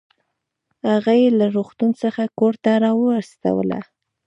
هغه يې له روغتون څخه کورته راوستله